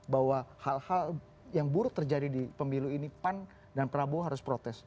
bahwa hal hal yang buruk terjadi di pemilu ini pan dan prabowo harus protes